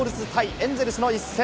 エンゼルスの一戦。